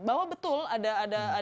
bahwa betul ada mekanisme yang serumit